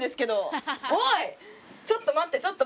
えちょっと待って。